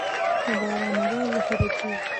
د باران اوبه ذخیره کیږي